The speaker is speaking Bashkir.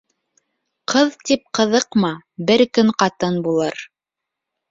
Ҡыҙ тип ҡыҙыҡма, бер көн ҡатын булыр.